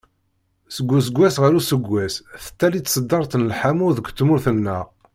Seg useggas ɣer useggas tettali tseddart n lḥamu deg tmurt-nneɣ